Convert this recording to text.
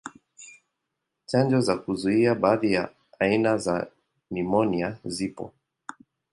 Chanjo za kuzuia baadhi ya aina za nimonia zipo.